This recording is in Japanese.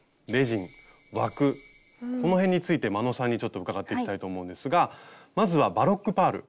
この辺について眞野さんにちょっと伺っていきたいと思うんですがまずはバロックパール。